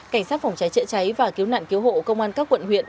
cảnh sát phòng cháy chữa cháy và cứu nạn cứu hộ công an các quận huyện